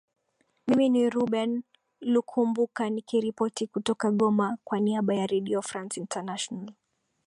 mimi ni rubeun lukumbuka nikiripoti kutoka goma kwa niaba ya redio france international